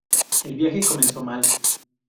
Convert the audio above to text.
El viaje comenzó mal.